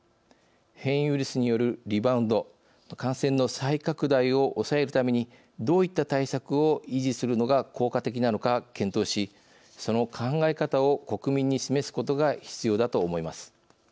変異ウイルスによるリバウンド感染の再拡大を抑えるためにどういった対策を維持するのが効果的なのか検討しその考え方を国民に示すことが必要だと思います。